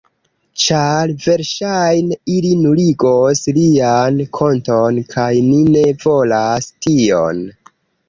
Ĉar verŝajne ili nuligos lian konton kaj ni ne volas tion.